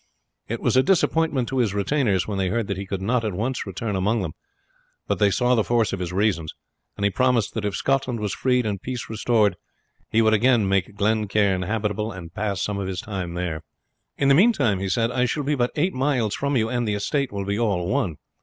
It was a disappointment to his retainers when they heard that he could not at once return among them; but they saw the force of his reasons, and he promised that if Scotland was freed and peace restored, he would again make Glen Cairn habitable, and pass some of his time there. "In the meantime," he said, "I shall be but eight miles from you, and the estate will be all one.